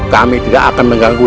kami tidak akan mengganggu